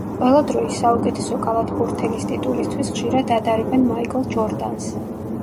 ყველა დროის საუკეთესო კალათბურთელის ტიტულისთვის ხშირად ადარებენ მაიკლ ჯორდანს.